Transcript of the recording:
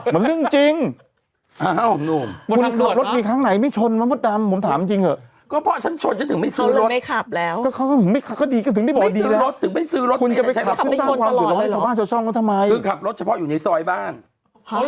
มันเรื่องจริงอ้าวนุ่มคุณขับรถทีครั้งไหนไม่ชนมันไม่ตามผมถามจริงเถอะก็เพราะฉันชนก็ถึงไม่ซื้อรถเขาเลยไม่ขับแล้วก็ดีก็ถึงได้บอกดีแล้วไม่ซื้อรถถึงไม่ซื้อรถคุณก็ไปขับก็สร้างความเดือดร้อยให้ขับบ้านเจ้าช่องเขาทำไมคือขับรถเฉพาะอยู่ในซอยบ้าง